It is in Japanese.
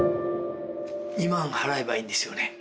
２万払えばいいんですよね？